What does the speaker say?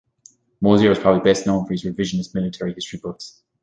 Mosier is probably best known for his revisionist military history books.